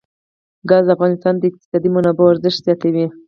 ګاز د افغانستان د اقتصادي منابعو ارزښت زیاتوي.